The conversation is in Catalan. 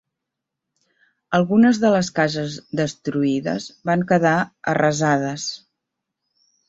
Algunes de les cases destruïdes van quedar arrasades.